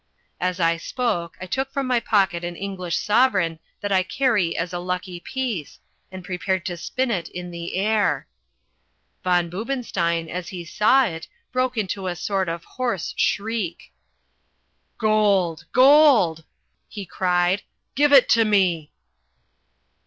As I spoke, I took from my pocket an English sovereign that I carry as a lucky piece, and prepared to spin it in the air. Von Boobenstein, as he saw it, broke into a sort of hoarse shriek. "Gold! gold!" he cried. "Give it to me!"